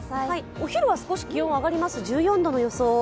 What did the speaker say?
お昼は少し気温上がります、１４度の予想。